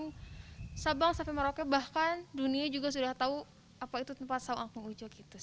dari sabang sampai merauke bahkan dunia juga sudah tahu apa itu tempat saung angkong ujo gitu